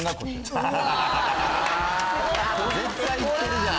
絶対行ってるじゃん！